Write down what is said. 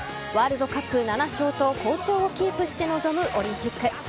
ワールドカップ７勝と好調をキープして臨むオリンピック。